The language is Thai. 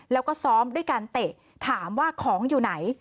แล้วก็ซ้อมด้วยการเตะถามว่าของอยู่ไหน